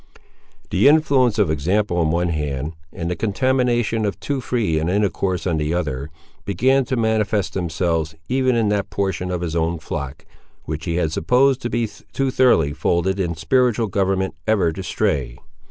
The influence of example on one hand, and the contamination of too free an intercourse on the other, began to manifest themselves, even in that portion of his own flock, which he had supposed to be too thoroughly folded in spiritual government ever to stray.